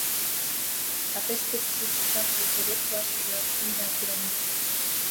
La perspective du château se déploie sur plus d'un kilomètre.